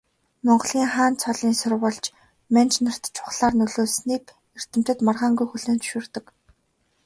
Монголын хаан цолын сурвалж манж нарт чухлаар нөлөөлснийг эрдэмтэд маргаангүй хүлээн зөвшөөрдөг.